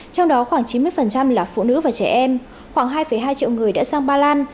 trong đó khoảng chín mươi là phụ nữ và trẻ em khoảng hai hai triệu người đã sang ba lan